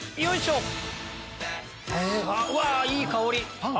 うわいい香り！